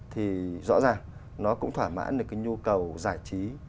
thì rõ ràng nó cũng thỏa mãn được cái nhu cầu giải trí